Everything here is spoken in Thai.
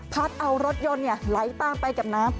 พัดเอารถยนต์ไหลตามไปกับน้ำ